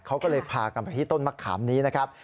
เขาก็เลยพากันไปที่ต้นมะขามนี้นะครับ